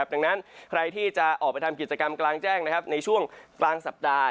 ดังนั้นใครที่จะออกไปทำกิจกรรมกลางแจ้งในช่วงกลางสัปดาห์